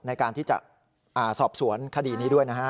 ในการที่จะสอบสวนคดีนี้ด้วยนะฮะ